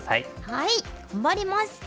はい頑張ります！